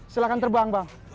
silahkan terbang bang